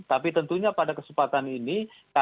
tapi tentunya pada kesempatan ini